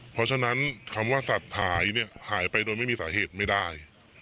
เพราะฉะนั้นคำว่าสัตว์หายเนี่ยหายไปโดยไม่มีสาเหตุไม่ได้